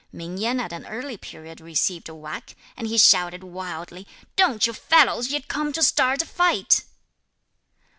Ming Yen at an early period received a whack, and he shouted wildly, "Don't you fellows yet come to start a fight."